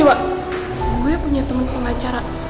dewa gue punya temen pengacara